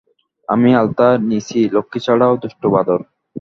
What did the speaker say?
-আমি আলতা নিইচি, লক্ষ্মীছাড়া দুষ্ট বাঁদর!